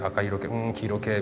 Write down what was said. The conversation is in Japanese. うん黄色系。